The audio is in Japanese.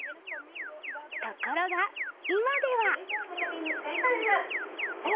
ところが、今では。